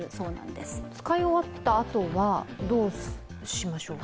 使い終わったあとはどうしましょう？